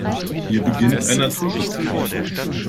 Hier beginnt ein Naturschutzgebiet.